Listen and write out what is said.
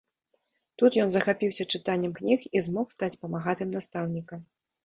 Тут ён захапіўся чытаннем кніг і змог стаць памагатым настаўніка.